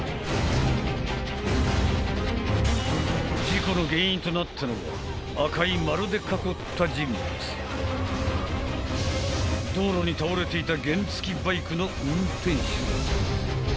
事故の原因となったのは赤い丸で囲った人物道路に倒れていた原付バイクの運転手だ